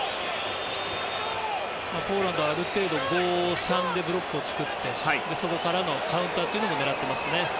ポーランドはある程度ブロックを作ってそこからカウンターを狙っていますね。